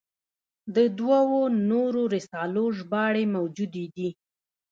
د دوو نورو رسالو ژباړې موجودې دي.